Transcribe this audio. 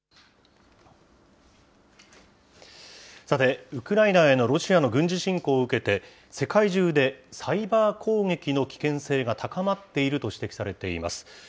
さて、ウクライナへのロシアの軍事侵攻を受けて、世界中でサイバー攻撃の危険性が高まっていると指摘されています。